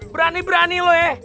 berani berani lo ya